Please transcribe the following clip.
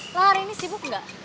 lah hari ini sibuk gak